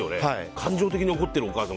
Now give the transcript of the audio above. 感情的に怒ってるお母さん。